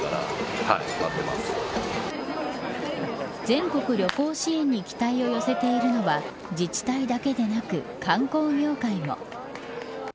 全国旅行支援に期待を寄せているのは自治体だけでなく観光業界も。